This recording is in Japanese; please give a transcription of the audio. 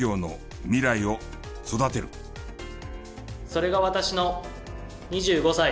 それが私の２５歳。